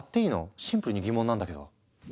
シンプルに疑問なんだけど。